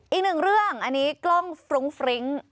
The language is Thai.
อีกหนึ่งเรื่องอันนี้กล้องฟรุ้งฟริ้ง